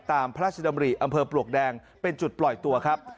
พระราชดำริอำเภอปลวกแดงเป็นจุดปล่อยตัวครับ